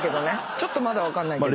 ちょっとまだ分かんないけど。